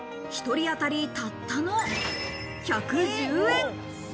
１人あたり、たったの１１０円。